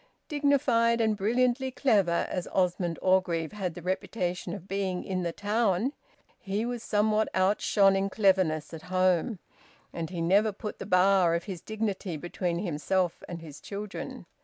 Dignified and brilliantly clever as Osmond Orgreave had the reputation of being in the town, he was somehow outshone in cleverness at home, and he never put the bar of his dignity between himself and his children.